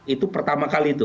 itu pertama kali itu